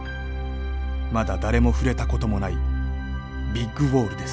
まだ誰も触れたこともないビッグウォールです。